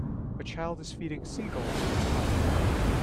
A child is feeding seagulls in a park.